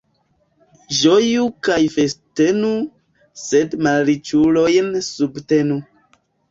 Ĝoju kaj festenu, sed malriĉulojn subtenu.